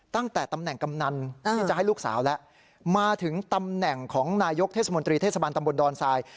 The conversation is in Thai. ตั้งแต่ตำแหน่งกำนันที่จะให้ลูกสาวแล้วมาถึงตำแหน่งของนายกเทศมนตรีเทศบาลตำบลดอนทราย